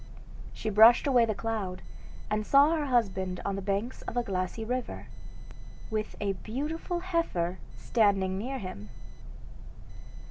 She brushed away the cloud, and saw her husband on the banks of a glassy river, with a beautiful heifer standing near him.